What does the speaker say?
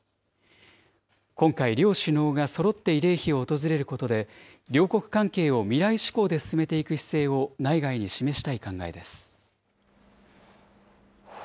今回、両首脳がそろって慰霊碑を訪れることで、両国関係を未来志向で進めていく姿勢を内外に示したい考えです。